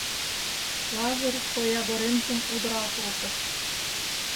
Лазыр шоягоремжым удырал колтыш.